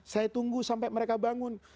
saya tunggu sampai mereka bangun